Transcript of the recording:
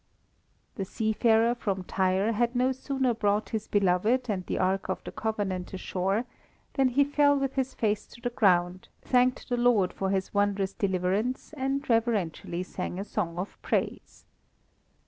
The sea farer from Tyre had no sooner brought his beloved and the Ark of the Covenant ashore, than he fell with his face to the ground, thanked the Lord for his wondrous deliverance, and reverentially sang a song of praise.